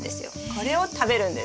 これを食べるんです。